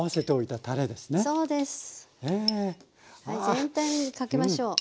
全体にかけましょう。